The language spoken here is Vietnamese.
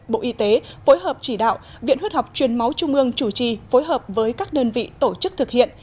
bộ y tế phối hợp chỉ đạo viện huyết học truyền máu trung ương chủ trì phối hợp với các đơn vị tổ chức thực hiện